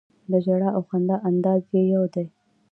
د ژړا او د خندا انداز یې یو دی.